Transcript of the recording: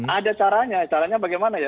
ada caranya caranya bagaimana ya